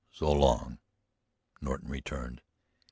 "So long," Norton returned.